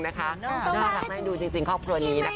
น่ารักมากดูครอบครัวนี้นะคะ